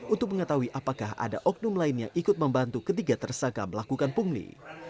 untuk mengetahui apakah ada oknum lain yang ikut membantu ketiga tersangka melakukan pungli